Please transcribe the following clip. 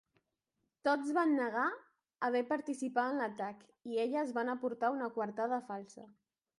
Tots van negar haver participat en l'atac i elles van aportar una coartada falsa.